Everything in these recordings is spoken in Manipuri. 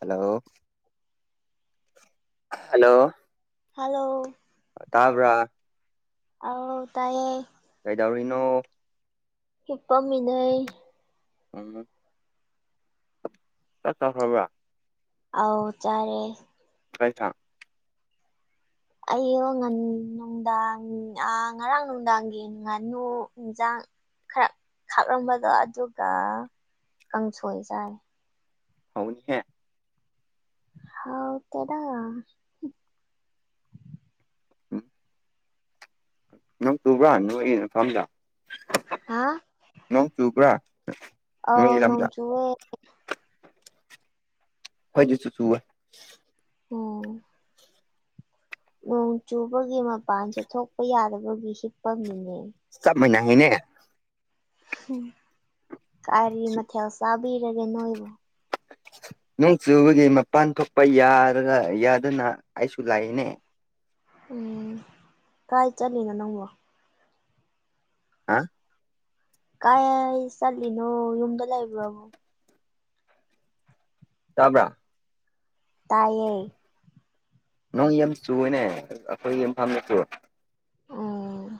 ꯍꯂꯣ ꯍꯜꯂꯣ ꯍꯜꯂꯣ ꯇꯥꯕ꯭ꯔꯥ꯫ ꯑꯥꯎ ꯇꯥꯏꯌꯦ꯫ ꯀꯩꯗꯧꯔꯤꯅꯣ꯫ ꯍꯤꯞꯄꯝꯃꯤꯅ ꯎꯝ ꯆꯥꯛꯆꯈꯔꯕ꯫ ꯑꯥꯎ ꯆꯔꯦ ꯇꯥꯏ ꯊꯥ ꯑꯌꯣ ꯉ ꯅꯨꯡꯗꯥꯡ ꯉꯔꯥꯡ ꯅꯨꯡꯗꯥꯡꯒꯤ ꯉꯥꯅꯨ ꯍꯤꯡꯖꯥꯡ ꯈꯔ ꯈꯥꯛꯂꯝꯂꯒ ꯑꯗꯨꯒ ꯀꯥꯡꯁꯣꯏ ꯆꯥꯏ꯫ ꯍꯥꯎꯒꯅꯤ ꯍꯦ ꯍꯥꯎ ꯇꯦꯗꯥ꯫ ꯅꯪ ꯇꯨꯕ꯭ꯔꯥ ꯅꯣꯏꯒꯤ ꯃꯐꯝꯗ ꯍꯥ꯫ ꯅꯣꯡ ꯆꯨꯕ꯭ꯔꯥ ꯑ ꯅꯣꯏꯒꯤ ꯅꯣꯡ ꯂꯝꯗ ꯆꯦ [unintelligible] ꯑꯣ ꯅꯣꯡ ꯆꯨꯕꯒꯤ ꯃꯄꯥꯟ ꯆꯠꯊꯣꯛꯄ ꯌꯥꯗꯕꯒꯤ ꯍꯤꯞꯄ ꯃꯤꯅꯦ ꯫ [unintelligible] ꯎ ꯀꯔꯤ ꯃꯊꯦꯜ ꯆꯥꯕꯤꯔꯒꯦ ꯅꯣꯏꯕꯨ ꯅꯣꯡ ꯆꯨꯕꯒꯤ ꯃꯄꯥꯟ ꯊꯣꯛꯄ ꯌꯥꯗꯅ ꯌꯥꯗꯅ ꯑꯩꯁꯨ ꯂꯥꯛꯏꯅꯦ ꯎꯝ ꯀꯥꯏ ꯆꯠꯂꯤꯅꯣ ꯅꯪꯕꯣ ꯍꯥ ꯀꯥꯏ ꯆꯠꯂꯤꯅꯣ ꯌꯨꯝꯗ ꯂꯩꯕꯔꯣ ꯇꯥꯕ꯭ꯔꯥ ꯇꯥꯏꯌꯦ ꯅꯣꯡ ꯌꯥꯝ ꯆꯨꯏꯌꯦꯅꯦ ꯑꯩꯈꯣꯏꯒꯤ ꯏꯝꯐꯜꯗꯁꯨ ꯎꯝ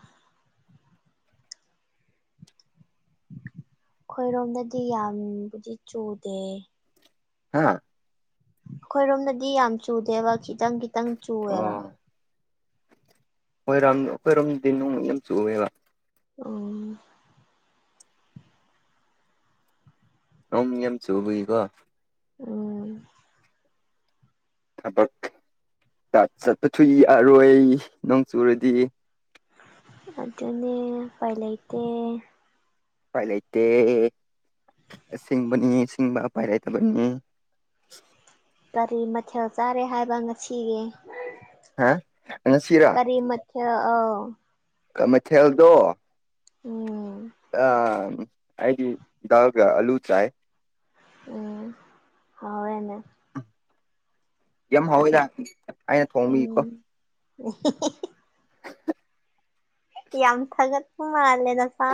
ꯑꯣꯏꯔꯣꯝꯗꯗꯤ ꯌꯥꯝꯕꯨꯗꯤ ꯆꯨꯗꯦ ꯍꯥꯥ ꯑꯩꯈꯣꯏꯔꯣꯝꯗꯗꯤ ꯌꯥꯝ ꯆꯨꯗꯦꯕ ꯈꯤꯇꯪ ꯈꯤꯇꯪ ꯆꯨꯑꯦꯕ ꯍꯣꯏꯔꯣꯝ ꯑꯩꯈꯣꯏꯔꯣꯝꯗꯗꯤ ꯅꯣꯡ ꯌꯥꯝ ꯆꯨꯏꯌꯦ ꯎꯝ ꯅꯣꯡ ꯌꯥꯝ ꯆꯨꯕꯒꯤꯀꯣ ꯎꯝ ꯊꯕꯛ ꯆꯠꯄꯁꯨ ꯌꯥꯔꯣꯏ ꯅꯣꯡ ꯆꯨꯔꯗꯤ꯫ ꯑꯗꯨꯅꯦ ꯎꯄꯥꯏ ꯂꯩꯇꯦ꯫ ꯎꯄꯥꯏ ꯂꯩꯇꯦ ꯑꯁꯤꯡꯕꯅꯤ ꯁꯤꯡꯕ ꯎꯄꯥꯏ ꯂꯩꯇꯕꯅꯤ ꯀꯔꯤ ꯃꯊꯦꯜ ꯆꯥꯔꯦ ꯍꯥꯏꯕ ꯉꯁꯤꯒꯤ꯫ ꯍꯥ ꯉꯁꯤꯔꯥ꯫ ꯀꯔꯤ ꯃꯊꯦꯜ ꯑꯎ ꯃꯩꯊꯦꯜꯗꯣ ꯎꯝ ꯑꯩꯗꯤ ꯗꯥꯒ ꯑꯂꯨ ꯆꯥꯏ꯫ ꯎꯝ ꯍꯣꯔꯦꯟ ꯌꯥꯝ ꯍꯥꯎꯏꯗ ꯎꯝ ꯌꯥꯝ ꯊꯥꯒꯠꯄ ꯃꯥꯜꯂꯦ ꯅꯁꯥ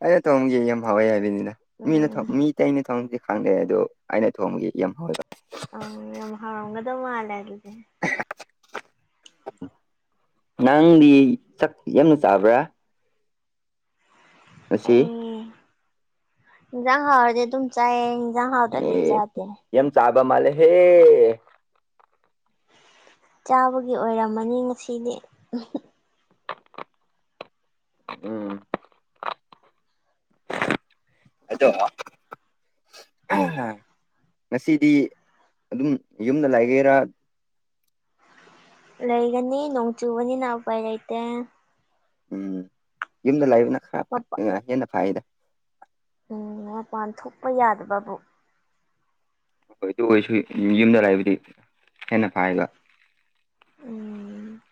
ꯑꯩꯅ ꯇꯧꯑꯝꯒꯦ ꯌꯥꯝ ꯍꯥꯎꯋꯦ ꯍꯥꯏꯕꯅꯤꯅ ꯃꯤꯅ ꯎꯝ ꯃꯤ꯫ ꯑꯇꯅ ꯊꯣꯡꯗꯤ ꯈꯪꯗꯦ ꯑꯗꯣ ꯑꯩꯅ ꯊꯣꯡꯕꯒꯤ ꯌꯥꯝ ꯍꯥꯎꯋꯦꯕ꯫ ꯑ ꯌꯝ ꯍꯥꯎꯒꯗ ꯃꯥꯜꯂꯦ ꯑꯗꯨꯗꯤ꯫ ꯅꯪꯗꯤ ꯆꯛꯇꯤ ꯌꯥꯝꯅ ꯆꯥꯕ꯭ꯔꯥ꯫ ꯑꯁꯤ ꯎꯝ ꯏꯪꯖꯥꯡ ꯍꯥꯎꯔꯗꯤ ꯑꯗꯨꯝ ꯆꯥꯏ ꯏꯪꯖꯥꯡ ꯍꯥꯎꯇꯔꯗꯤ ꯆꯗꯦ꯫ ꯌꯝ ꯆꯥꯕ ꯃꯥꯂꯦ ꯍꯦ꯫ ꯆꯥꯕꯒꯤ ꯑꯣꯏꯔꯝꯃꯅꯤ ꯉꯁꯤꯗꯤ ꯎꯝ꯫ ꯑꯗꯣ ꯉꯁꯤꯗꯤ ꯑꯗꯨꯝ ꯌꯨꯝꯗ ꯂꯥꯏꯒꯦꯔꯥ ꯂꯩꯒꯅꯤ ꯅꯣꯡ ꯆꯨꯕꯅꯤꯅ ꯎꯄꯥꯏ ꯂꯩꯇꯦ ꯎꯝ ꯌꯨꯝꯗ ꯂꯥꯏꯕꯅ ꯈꯔ ꯃꯄꯥ ꯐꯩ ꯍꯦꯟꯅ ꯐꯩꯌꯦꯗ ꯎꯝ ꯃꯄꯥꯟ ꯊꯣꯛꯄ ꯌꯥꯗꯕꯕꯨ ꯍꯣꯏ ꯑꯗꯨꯏꯁꯨ ꯌꯨꯝꯗ ꯂꯩꯕꯗꯤ ꯍꯦꯟꯅꯥ ꯐꯩꯕ꯫ ꯎꯝ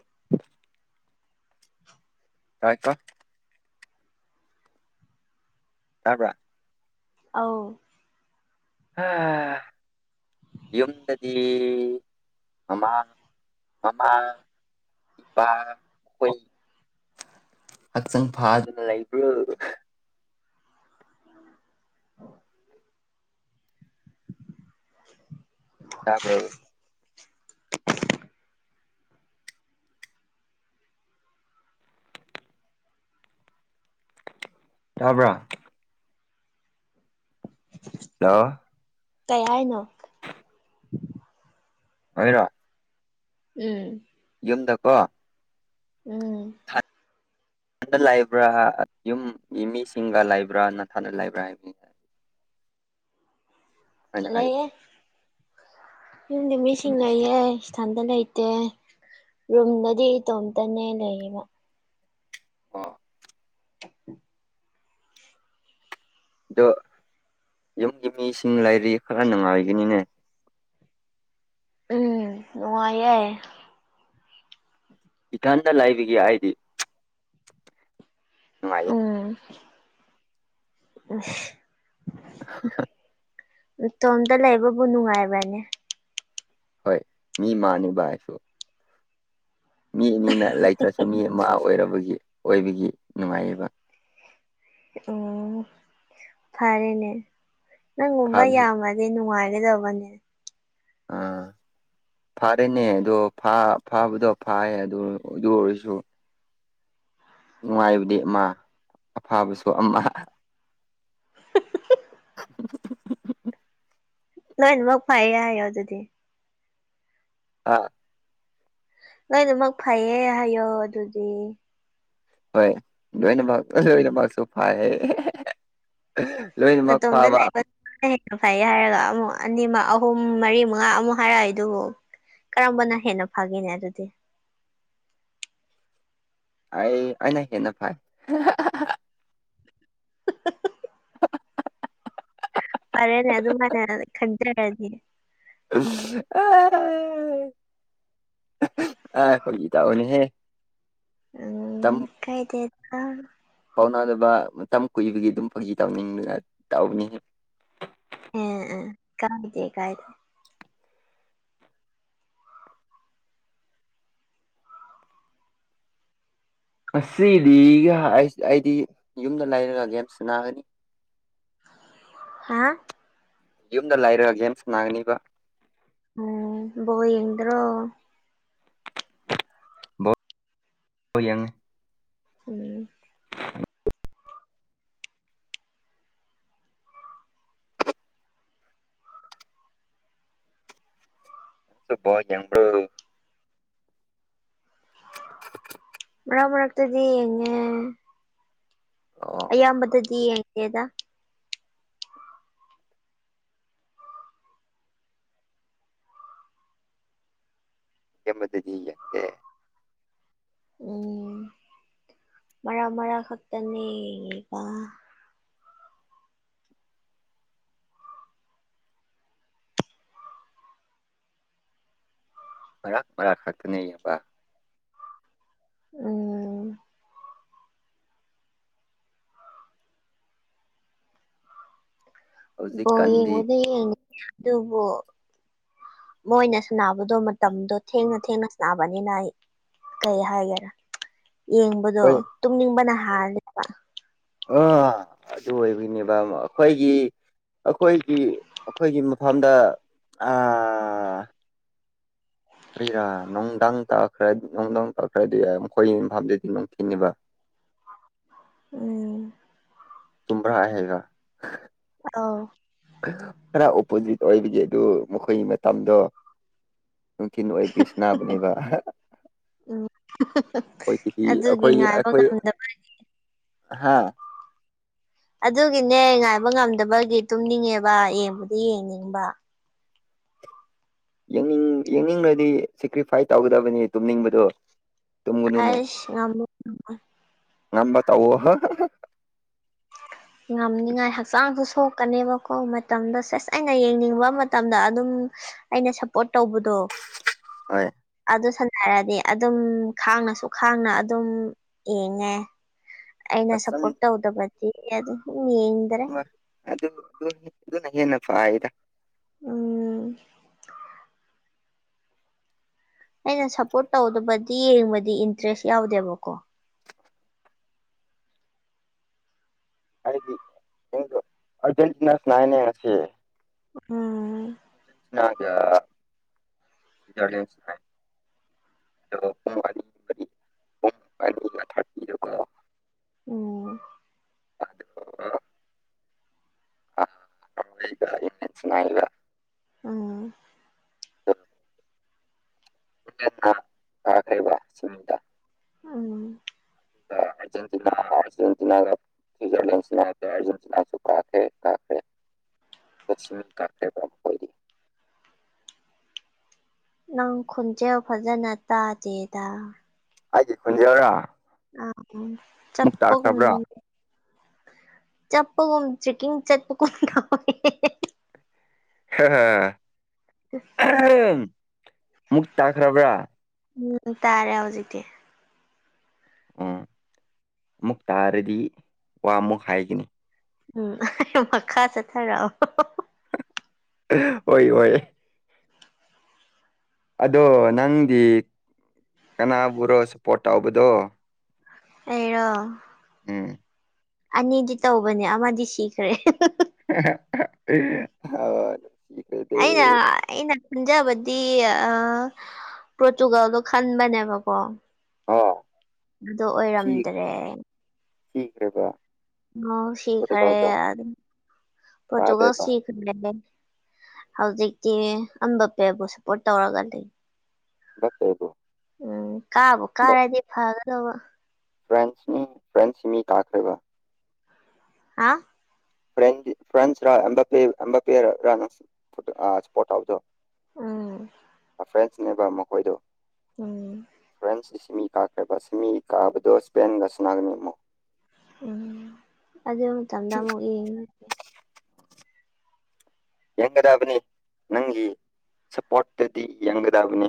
[unintelligible] [inaudible] ꯇꯥꯏ ꯇꯣ ꯇꯥꯕꯔꯥ ꯑꯥꯎ ꯑ ꯌꯨꯝꯗꯗꯤ ꯃꯃꯥ ꯃꯃꯥ꯫ ꯏꯄꯥ ꯈꯣꯏ ꯍꯛꯆꯥꯡ ꯐꯥꯗꯨꯅ ꯂꯩꯕ꯭ꯔꯣ [inaudible] ꯇꯥꯕꯔꯣ ꯌꯥꯕ꯭ꯔꯥ ꯂꯣ ꯀꯩ ꯍꯥꯏꯅꯣ꯫ [unintelligible] ꯎꯝ꯫ ꯌꯨꯝꯗꯀꯣ꯫ ꯎꯝ ꯅꯊꯟꯗ ꯂꯥꯛꯏꯕ꯭ꯔꯥ ꯌꯨꯝꯒꯤ ꯃꯤꯁꯤꯡꯒ ꯂꯩꯕ꯭ꯔꯥꯅꯊꯥꯟꯗ ꯂꯩꯕ꯭ꯔꯥ ꯍꯥꯏꯕꯅꯤ꯫ ꯑꯩꯅ ꯍꯥꯏꯕ ꯂꯩꯌꯦ ꯌꯨꯝꯗꯤ ꯃꯤꯁꯤꯡ ꯂꯩꯌꯦ꯫ ꯏꯊꯟꯇ ꯂꯩꯇꯦ ꯔꯨꯝꯗꯗꯤ ꯏꯇꯣꯝꯇꯅꯦ ꯂꯩꯌꯦꯕ ꯑꯣ [inaudible] ꯑꯗꯣ ꯌꯨꯝꯒꯤ ꯃꯤꯁꯤꯡ ꯂꯩꯥꯔꯤ ꯈꯔ ꯅꯨꯡꯉꯥꯏꯒꯅꯤꯅꯦ꯫ ꯎꯝ ꯅꯨꯡꯉꯥꯏꯌꯦ ꯏꯊꯟꯗ ꯂꯩꯕꯒꯤ ꯑꯥꯏꯗꯤ꯫ ꯅꯨꯡꯉꯥꯏꯌꯦ ꯎꯝ [unintelligible] ꯇꯣꯝꯇ ꯂꯩꯕꯕꯨ ꯅꯨꯡꯉꯥꯏꯕꯅꯦ ꯍꯣꯏ ꯃꯤ ꯃꯥꯅꯦꯕ ꯍꯥꯏꯁꯨ ꯃꯤ ꯑꯅꯤꯅ ꯂꯩꯇ꯭ꯔꯁꯨ ꯃꯤ ꯑꯃ ꯑꯣꯏꯔꯕꯒꯤ ꯑꯣꯏꯕꯒꯤ ꯅꯨꯡꯉꯥꯏꯌꯦꯕ꯫ ꯎꯝ ꯐꯔꯦꯅꯦ ꯅꯪ ꯒꯨꯕ ꯐꯥꯕꯁꯤ ꯌꯥꯝꯃꯗꯤ ꯅꯨꯡꯉꯥꯏꯒꯗꯕꯅꯦ꯫ ꯑꯥ꯫ ꯐꯥꯔꯦꯅꯦ ꯑꯗꯣ ꯐꯥꯕꯗꯣ ꯐꯌꯦ ꯑꯗꯨ ꯑꯗꯨ ꯑꯣꯏꯔꯁꯨ ꯅꯨꯡꯉꯥꯏꯕꯗꯤ ꯑꯃ ꯑꯐꯕꯁꯨ ꯑꯃ [inaudible] ꯂꯣꯏꯅꯕꯛ ꯐꯩꯌꯦ ꯌꯥꯏꯌꯦ ꯑꯗꯨꯗꯤ ꯑꯥ ꯂꯣꯏꯅꯃꯛ ꯐꯩꯌꯦ ꯍꯥꯏꯌꯣ ꯑꯗꯨꯗꯤ ꯍꯣꯏ ꯂꯣꯏꯅꯃꯛ ꯂꯣꯏꯅꯃꯛꯁꯨ ꯐꯥꯏ ꯂꯣꯏꯅꯃꯛ ꯐꯥꯕ ꯅꯥꯇꯣꯝꯇꯅꯦꯕꯥ ꯃꯥ ꯍꯦꯟꯅ ꯐꯩ ꯍꯥꯏꯔꯒ ꯑꯃꯨꯛ ꯑꯅꯤ ꯑꯍꯨꯝ ꯃꯔꯤ ꯃꯉꯥ ꯑꯃꯨꯛ ꯍꯥꯏꯔꯛꯑꯦ ꯑꯗꯨꯕꯨ ꯀꯔꯝꯕꯅ ꯍꯦꯟꯅ ꯐꯥꯒꯦꯅꯦ ꯑꯗꯨꯗꯤ ꯑꯩ ꯑꯩꯅ ꯍꯦꯟꯅꯥ ꯐꯥꯏ [inaudible] [unintelligible] ꯐꯔꯦꯅꯦ ꯑꯗꯨꯃꯥꯏꯅꯦ ꯈꯟꯖꯔꯗꯤ ꯑ ꯑ ꯍꯣꯏꯗ ꯑꯣꯅꯤꯍꯦ ꯎꯝ ꯀꯥꯏꯗꯦꯗ꯫ ꯄꯥꯎꯅꯗꯕ ꯃꯇꯝ ꯀꯨꯏꯕꯒꯤ ꯑꯗꯨꯝ ꯐꯧꯖꯤ ꯇꯧꯅꯤꯡꯗꯅ ꯇꯧꯕꯅꯤ ꯑ ꯑ ꯀꯝꯗꯦ ꯀꯥꯏꯗꯣ ꯉꯗꯤꯒ ꯑꯩꯗꯤ ꯌꯨꯝꯗ ꯂꯩꯔꯒꯒ ꯌꯥꯝ ꯁꯅꯒꯅꯤ ꯍꯥ꯫ ꯌꯨꯝꯗ ꯂꯩꯥꯏꯔꯑꯒꯦꯦꯝ ꯁꯅꯥꯥꯡꯅꯤꯕ ꯎꯝ ꯕꯣꯜ ꯌꯦꯡꯗꯔꯣ ꯕꯥꯜꯂ ꯌꯦꯡ ꯉꯦ꯫ ꯀ ꯕꯥꯜ ꯌꯦꯡꯕꯔꯣ ꯃꯔꯛ ꯃꯔꯛꯇꯗꯤ ꯌꯦꯡꯉꯦ꯫ ꯑꯣ ꯑꯌꯥꯝꯕꯗꯗꯤ ꯌꯦꯡꯗꯦꯗ꯫ ꯌꯦꯕꯗꯤ ꯌꯦꯒ ꯎꯝ ꯃꯔꯛ ꯃꯔꯛ ꯈꯛꯇꯅꯦꯗꯥ ꯃꯔꯛ ꯃꯔꯛ ꯈꯥꯛꯇꯅꯦ ꯌꯦꯡꯕ ꯎꯝ꯫ ꯕꯣꯜ ꯍꯧꯖꯤꯛꯀꯥꯟꯗꯤ ꯌꯦꯡꯕꯗꯤ ꯌꯦꯡꯉꯤ ꯑꯗꯨꯕꯨ ꯃꯣꯏꯅ ꯁꯅꯕꯗꯨ꯫ ꯑꯗꯣ ꯃꯇꯝꯗꯣ ꯊꯦꯡꯅ ꯊꯦꯡꯅ ꯁꯅꯥꯕꯅꯤꯅ ꯑꯩ ꯀꯩ ꯍꯥꯏꯒꯦꯔꯥ ꯌꯦꯡꯕꯗꯣ ꯍꯣꯏ ꯇꯨꯝꯅꯤꯡꯕꯅ ꯍꯜꯂꯦ꯫ ꯑꯥ ꯑꯗꯨ ꯑꯣꯏꯕꯅꯦꯕ ꯑꯩꯈꯣꯏꯒꯤ ꯑꯩꯈꯣꯏꯒꯤ ꯑꯩꯈꯣꯏꯒꯤ ꯃꯐꯝꯗ ꯑ ꯀꯔꯤꯔꯥ ꯅꯨꯡꯗꯥꯡ ꯇ ꯈꯔ ꯅꯨꯡꯗꯥꯡ ꯇꯥꯈ꯭ꯔꯗꯤ ꯌꯥꯏ ꯃꯈꯣꯏ ꯃꯝꯐꯝꯥꯐꯝꯗꯗꯤ ꯅꯨꯡꯊꯤꯤꯟꯅꯤꯕ ꯎꯝ꯫ ꯇꯨꯝꯕꯔꯥ ꯍꯥꯏꯔꯒꯥ ꯑꯥꯎ ꯈꯔ ꯑꯣꯄꯣꯖꯤꯠ ꯑꯣꯏꯕꯒꯤ ꯑꯗꯨ ꯃꯈꯣꯏꯒꯤ ꯃꯇꯝꯗꯣ ꯅꯨꯡꯊꯤꯟ ꯑꯣꯏꯕꯒꯤ ꯁꯅꯥꯕꯅꯦꯕ ꯎꯝ ꯑꯩꯈꯣꯏ ꯀꯤꯖꯤ ꯑꯗꯨꯒꯤ ꯑꯩꯈꯣꯏ ꯉꯥꯏꯕ ꯑꯩꯈꯣꯏ ꯉꯝꯗꯕ ꯍꯥꯥ ꯑꯗꯨꯒꯤꯅꯦ ꯉꯥꯏꯕ ꯉꯝꯗꯕꯒꯤ ꯇꯨꯝꯅꯤꯡꯉꯦꯕ ꯌꯦꯡꯕꯨꯗꯤ ꯌꯦꯡꯅꯤꯡꯕ ꯌꯦꯡꯅꯤꯡ ꯌꯦꯡꯅꯤꯡꯂꯗꯤ ꯁꯦꯀ꯭ꯔꯤꯐꯥꯏꯁ ꯇꯧꯒꯗꯕꯅꯤ ꯇꯨꯝꯅꯤꯡꯕꯗꯣ꯫ ꯇꯨꯝꯒꯅꯨꯅꯦ ꯑꯁ ꯉꯝ ꯉꯝꯕ ꯇꯧꯑꯣ꯫ ꯉꯝꯅꯤꯉꯥꯏ ꯍꯛꯆꯥꯡꯁꯨ ꯁꯣꯛꯀꯅꯤꯕꯀꯣ ꯃꯇꯝꯗ ꯁꯦꯁ ꯑꯩꯅ ꯌꯦꯡꯅꯤꯡꯕ ꯃꯇꯝꯗ ꯑꯗꯨꯝ ꯑꯩꯅ ꯁꯞꯄꯣꯔꯠ ꯇꯧꯕꯗꯣ꯫ ꯍꯣꯏ ꯑꯗꯨ ꯁꯅꯔꯗꯤ ꯑꯗꯨꯝ ꯈꯥꯡꯅꯁꯨ ꯈꯥꯡꯅ ꯑꯗꯨꯝ ꯌꯦꯡꯉꯦ꯫ ꯑꯩꯅ ꯁꯄꯣꯠ ꯍꯛꯆꯥꯡ ꯇꯧꯗꯕꯗꯤ ꯌꯦꯟꯗ꯭ꯔꯦ ꯑꯗꯨ ꯑꯗꯨ ꯑꯗꯨꯅ ꯍꯦꯅ ꯐꯗ ꯎꯝ ꯑꯩꯅ ꯁꯞꯄꯣꯔꯠ ꯇꯧꯗꯕꯗꯤ ꯌꯦꯡꯕꯗꯤ ꯏꯟꯇꯔꯦꯁ ꯌꯥꯎꯗꯦꯕꯀꯣ꯫ ꯍꯥꯏꯗꯤ ꯑꯔꯖꯦꯟꯇꯤꯤꯟ ꯁꯅꯏꯅꯦ ꯍꯥꯏꯁꯤ ꯎꯝ ꯒ ꯁꯖꯔꯂ ꯑꯣ ꯊꯥꯔꯇꯤꯔꯣ꯫ ꯑꯣ ꯑꯗꯨꯒ꯫ [inaudible] [unintelligible] ꯑ ꯈꯦꯕ ꯎꯝ ꯑꯔꯖꯦꯟꯇꯤꯅꯥ ꯑꯔꯖꯦꯟꯇꯤꯅꯥꯒ ꯁ꯭ꯋꯖꯔꯂꯦꯟꯁꯦ ꯑꯔꯖꯦꯟꯇꯤꯅꯥꯁꯨ ꯀꯥ꯭ꯔꯦ ꯀꯥꯈ꯭ꯔꯦ [unintelligible] ꯇꯥꯈꯔꯦꯕ ꯑꯈꯣꯏꯗꯤ꯫ ꯅꯪ ꯈꯨꯣꯟꯖꯦꯜ ꯐꯖꯅ ꯇꯥꯗꯦꯗ ꯍꯥꯏꯒꯤꯦ ꯈꯨꯟꯖꯦꯕ꯭ꯔꯥ ꯑ ꯆꯄꯀꯅꯤ ꯆꯠꯄꯒꯨꯝ ꯆꯦꯛꯀꯤꯡ ꯆꯠꯄꯒꯨꯝ ꯀꯄ ꯃꯨꯛ ꯇꯥꯈ꯭ꯔꯕ꯭ꯔꯥ ꯎꯝ ꯇꯥꯔꯦ ꯍꯧꯖꯤꯛꯇꯤ ꯎꯝ ꯑꯃꯨꯛ ꯇꯥꯔꯗꯤ ꯋꯥ ꯑꯃꯨꯛ ꯍꯥꯏꯒꯅꯤ ꯎꯝ ꯃꯈꯥ ꯆꯠꯊꯥꯔꯛꯑꯣ꯫ ꯍꯣꯏ ꯍꯣꯏ ꯑꯗꯣ ꯅꯪꯗꯤ ꯀꯅꯥꯕꯨꯔꯣ ꯁꯞꯄꯣꯔꯠ ꯇꯧꯕꯗꯣ ꯑꯦꯔ ꯎꯝ ꯑꯅꯤꯗꯤ ꯇꯧꯕꯅꯦ ꯑꯃꯗꯤ ꯁꯤꯈ꯭ꯔꯦ [unintelligible] ꯑꯩꯅ ꯏꯩꯅ ꯈꯟꯖꯕꯗꯤ ꯑ ꯄꯣꯔꯇꯨꯒꯥꯜꯗꯣ ꯈꯟꯕꯅꯦꯕꯀꯣ ꯑꯣ ꯑꯗꯨ ꯁꯤꯈ꯭ꯔꯦ ꯑꯣꯏꯔꯝꯗ꯭ꯔꯦ ꯁꯤꯈ꯭ꯔꯦꯕ꯫ ꯑꯣ ꯄꯣꯔꯇꯨꯒꯜꯗꯣ ꯁꯤꯈꯔꯦ ꯄꯣꯇꯨꯒꯜ ꯀꯥꯗꯦꯕ ꯁꯤ ꯦ ꯍꯧꯖꯤꯛꯇꯤ ꯑꯝꯕ ꯄꯦꯕꯨ ꯁꯞꯄꯣꯔꯠ ꯇꯧꯔꯒ ꯂꯩ ꯑꯦꯝ ꯕꯥꯄꯦꯟꯕꯦꯕꯨ꯫ ꯎꯝ ꯀꯥꯕꯨ ꯀꯥꯔꯗꯤ ꯐꯒꯗꯧꯕ ꯐ꯭ꯔꯦꯟꯁꯅꯤ ꯐ꯭ꯔꯦꯟꯁꯁꯤ ꯃꯤ ꯇꯥꯈ꯭ꯔꯦꯕ ꯍꯥ ꯐ꯭ꯔ ꯐ꯭ꯔꯦꯟꯁ ꯔ ꯑꯦꯝ ꯕꯥ ꯑꯦꯝ ꯕꯥꯄꯦꯔꯥ ꯅꯪꯁꯨ ꯁꯨꯞꯄꯣꯔ ꯇꯧꯕꯗꯣ꯫ ꯎꯝ ꯐ꯭ꯔꯦꯟꯁꯅꯦꯕ ꯃꯈꯣꯏꯗꯣ ꯎꯝ ꯐ꯭ꯔꯦꯟꯁꯇ ꯁꯤꯃꯤ ꯀꯥꯈ꯭ꯔꯦꯕ ꯁꯤꯃꯤ ꯀꯥꯕꯗꯣ ꯁ꯭ꯄꯦꯟꯒ ꯁꯅꯥꯒꯅꯤ ꯑꯃꯨꯛ꯫ ꯎꯝ ꯑꯗꯨ ꯃꯇꯝꯗ ꯑꯃꯨꯛ ꯌꯦꯡꯉꯤ ꯌꯦꯡꯒꯗꯕꯅꯤ ꯅꯪꯒꯤ ꯁꯞꯄꯣꯔꯠꯇꯨꯗꯤ ꯌꯦꯡꯒꯗꯕꯅꯤ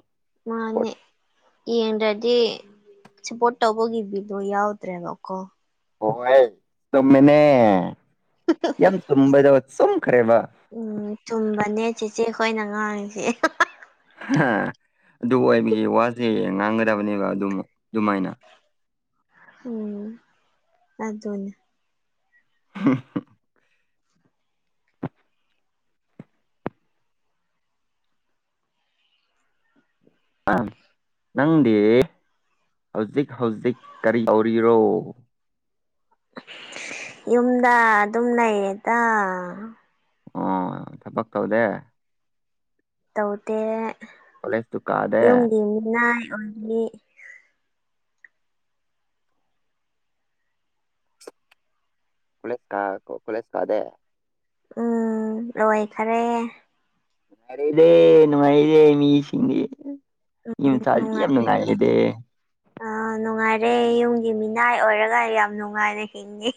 ꯃꯥꯅꯦ ꯁꯄꯣꯔꯠ ꯌꯦꯡꯗ꯭ꯔꯗꯤ ꯁꯞꯄꯣꯔꯠ ꯇꯧꯕꯒꯤ ꯕꯤꯗꯣ ꯌꯥꯎꯗ꯭ꯔꯦꯕꯀꯣ ꯍꯣ ꯍꯣꯏ ꯆꯨꯝꯃꯤꯅꯦ ꯌꯥꯝ ꯆꯨꯝꯕꯗꯣ ꯆꯨꯝꯈ꯭ꯔꯦꯕ ꯎꯝ ꯊꯨꯝꯕꯅꯦ ꯆꯤꯆꯦ ꯈꯣꯏꯅ ꯉꯥꯡꯉꯤꯁꯦ ꯍꯦ ꯍꯥ ꯍꯥ ꯍꯥ ꯑꯗꯨ ꯑꯣꯏꯕꯒꯤ ꯋꯥꯁꯦ ꯉꯥꯡꯒꯗꯕꯅꯦꯕ ꯑꯗꯨꯝ ꯑꯗꯨꯃꯥꯏꯅ ꯎꯝ ꯑꯗꯨꯅꯦ ꯍꯝ ꯅꯪꯗꯤ ꯍꯧꯖꯤꯛ ꯍꯧꯖꯤꯛ ꯀꯔꯤ ꯇꯧꯔꯤꯔꯣ ꯌꯨꯝꯗ ꯑꯗꯨꯝ ꯂꯩꯌꯦꯗ ꯑꯣ ꯊꯕꯛ ꯇꯧꯗꯦ ꯇꯧꯗꯦ ꯀꯣꯂꯦꯖꯇꯨ ꯀꯥꯗꯦ ꯌꯨꯝꯒꯤ ꯃꯤꯅꯥꯏ ꯑꯣꯏꯔꯤ ꯀꯂꯦꯁ ꯀꯥ ꯀꯂꯦꯁ ꯀꯥꯗꯦ ꯎꯝ ꯂꯑꯣꯏꯈꯔꯦ ꯅꯨꯡꯉꯥꯏꯔꯗꯦ ꯅꯨꯡꯉꯥꯏꯗꯦ ꯃꯤꯁꯤꯡꯦ ꯌ ꯆꯥ ꯅꯨꯡꯉꯥꯏ ꯌꯥꯝ ꯅꯨꯡꯉꯥꯏꯔꯗꯦ ꯑ ꯅꯨꯡꯉꯥꯏꯔꯦ ꯌꯨꯝꯒꯤ ꯃꯤꯅꯥꯏ ꯑꯣꯏꯔꯒ ꯌꯥꯝ ꯅꯨꯡꯉꯥꯏꯅ ꯍꯤꯡꯉ